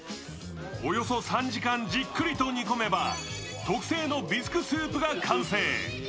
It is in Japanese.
およそ３時間じっくりと煮込めば特製のビスクスープが完成。